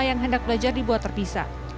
yang hendak belajar dibuat terpisah